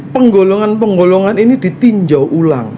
penggolongan penggolongan ini ditinjau ulang